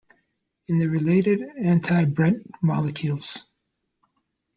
In the related anti-Bredt molecules.